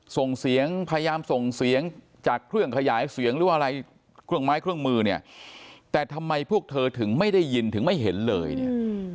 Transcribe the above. ส่งเสียงพยายามส่งเสียงจากเครื่องขยายเสียงหรือว่าอะไรเครื่องไม้เครื่องมือเนี่ยแต่ทำไมพวกเธอถึงไม่ได้ยินถึงไม่เห็นเลยเนี่ย